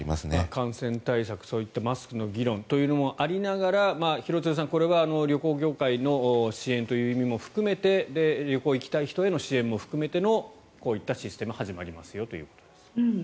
感染対策そういったマスクの議論というのもありながら廣津留さん、これは旅行業界の支援という意味も含めて旅行に行きたい人への支援も含めてのこういったシステムが始まりますよということです。